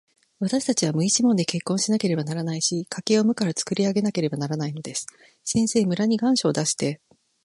わたしたちは無一文で結婚しなければならないし、家計を無からつくり上げなければならないのです。先生、村に願書を出して、